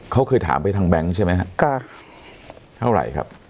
เขาเคยถามไปทางแบงค์ใช่ไหมครับเท่าไหร่ครับ